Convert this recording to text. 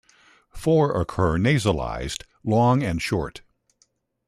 Four occur nasalized, long and short.